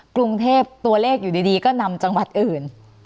กรุงเทพตัวเลขอยู่ดีก็นำจังหวัดอื่น